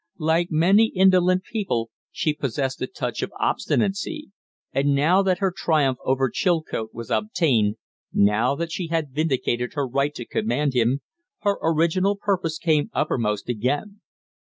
Like many indolent people, she possessed a touch of obstinacy; and now that her triumph over Chilcote was obtained, now that she had vindicated her right to command him, her original purpose came uppermost again.